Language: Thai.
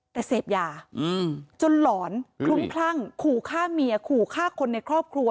แต่เสพยาจนหลอนคลุมคลั่งขู่ฆ่าเมียขู่ฆ่าคนในครอบครัว